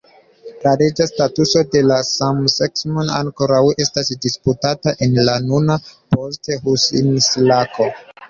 La leĝa statuso de la samseksemo ankoraŭ estas disputata en la nuna post-Husejna Irako.